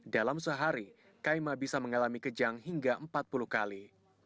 dalam sehari kaima bisa mengalami kejang hingga empat puluh kali